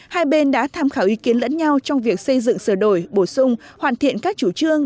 hai bên đã tham khảo ý kiến lẫn nhau trong việc xây dựng sửa đổi bổ sung hoàn thiện các chủ trương